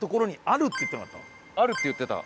あるって言ってた。